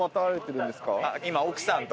奥さんと。